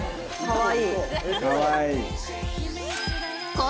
かわいい。